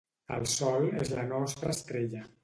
El Sol és la nostra estrella.